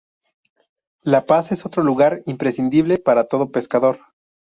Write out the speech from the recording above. La Paz es otro lugar imprescindible para todo pescador.